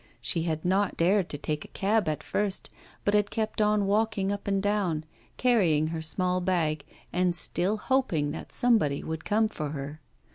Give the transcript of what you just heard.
She had not dared to take a cab at first, but had kept on walking up and down, carrying her small bag, and still hoping that somebody would come for her.